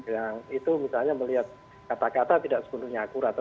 yang itu misalnya melihat kata kata tidak sepenuhnya akurat